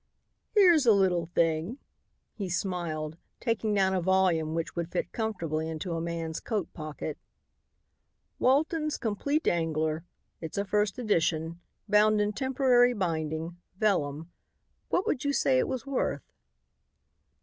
"Here's a little thing," he smiled, taking down a volume which would fit comfortably into a man's coat pocket; "Walton's Compleat Angler. It's a first edition. Bound in temporary binding, vellum. What would you say it was worth?"